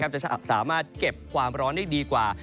จะสามารถเก็บความร้อนได้ดีกว่า